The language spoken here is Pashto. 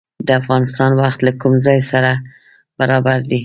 د افغانستان وخت له کوم ځای سره برابر دی؟